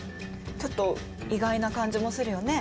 ちょっと意外な感じもするよね？